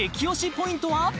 ポイントは？